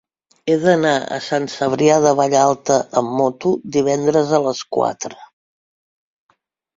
He d'anar a Sant Cebrià de Vallalta amb moto divendres a les quatre.